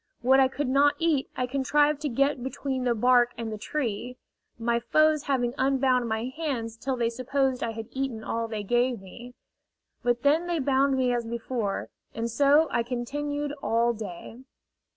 What I could not eat I contrived to get between the bark and the tree my foes having unbound my hands till they supposed I had eaten all they gave me. But then they bound me as before, and so I continued all day.